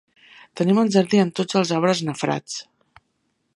Tenim el jardí amb tots els arbres nafrats.